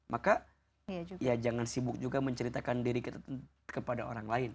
maka ya jangan sibuk juga menceritakan diri kita kepada orang lain